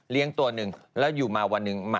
ตัวหนึ่งแล้วอยู่มาวันหนึ่ง